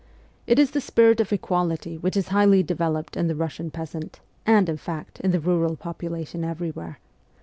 It is the spirit of equality which is highly developed in the Bussian peasant and, in fact, in the rural population everywhere.